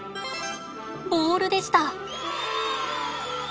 ボールでした。